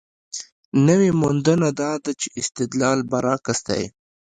نوې موندنه دا ده چې استدلال برعکس دی.